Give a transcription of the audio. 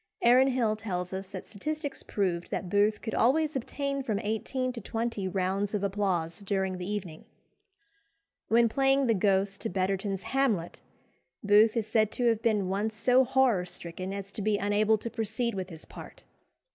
Aaron Hill tells us that statistics proved that Booth could always obtain from eighteen to twenty rounds of applause during the evening. When playing the Ghost to Betterton's Hamlet, Booth is said to have been once so horror stricken as to be unable to proceed with his part.